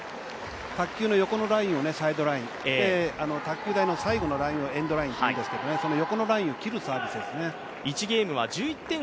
卓球の横のラインをサイドライン卓球台の最後のラインをエンドラインっていうんですけどその横のラインを切るサービスですね。